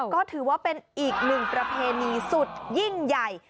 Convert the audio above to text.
ก็ถือว่าเป็นอีกหนึ่งประเพณีสุดยิ่งใหญ่